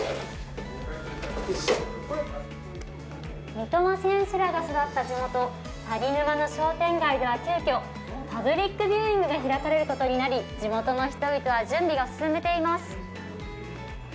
三笘選手らが育った地元・鷺沼の商店街では急きょパブリックビューイングが開かれることになり地元の人々は準備を進めています。